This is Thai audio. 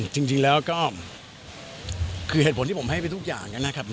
ที่เหตุผลที่ผมให้ทุกอย่างก็น่ะครับ